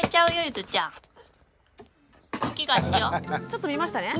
ちょっと見ましたね。